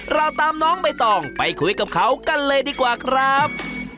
เราตามน้องใบตองไปคุยกับเขากันเลยดีกว่าครับ